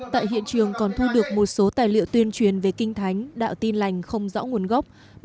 tại hiện trường còn thu được một số tài liệu tuyên truyền về kinh thánh đạo tin lành không rõ nguồn gốc